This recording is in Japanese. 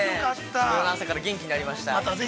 土曜の朝から元気になりました。